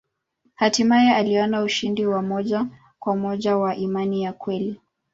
Hatimaye aliona ushindi wa moja kwa moja wa imani ya kweli.